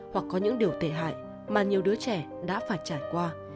hoặc có những điều tê hại mà nhiều đứa trẻ đã phải trải qua